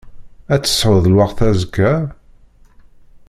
Ad tesεuḍ lweqt azekka?